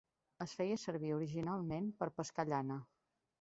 Es feia servir originalment per pesar llana.